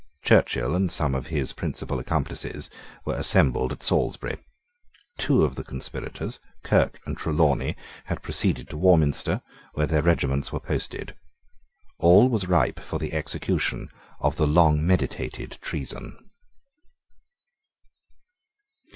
Churchill and some of his principal accomplices were assembled at Salisbury. Two of the conspirators, Kirke and Trelawney, had proceeded to Warminster, where their regiments were posted. All was ripe for the execution of the long meditated treason.